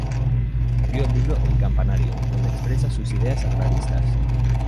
Escribió el libro "El Campanario", donde expresa sus ideas agraristas.